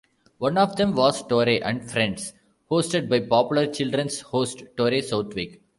One of them was "Torey and Friends", hosted by popular children's host Torey Southwick.